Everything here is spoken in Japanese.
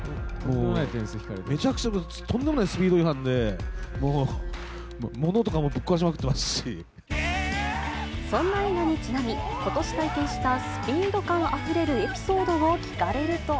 めちゃくちゃとんでもないスピード違反で、もう、そんな映画にちなみ、ことし体験したスピード感あふれるエピソードを聞かれると。